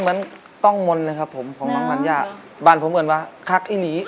เหมือนต้องมนอะไรครับผมพ่อน้องนั้นอย่างบานผมเอิญว่าคลักไอหลี